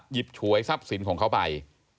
ฉวยทรัพย์สินของเขาไป